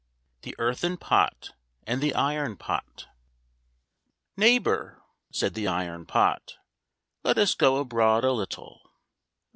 THE EARTHEN POT AND THE IRON POT. "Neighbour," said the Iron Pot, "Let us go abroad a little."